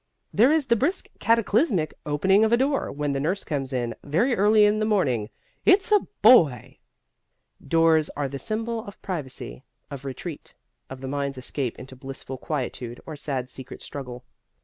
There is the brisk cataclysmic opening of a door when the nurse comes in, very early in the morning "It's a boy!" Doors are the symbol of privacy, of retreat, of the mind's escape into blissful quietude or sad secret struggle.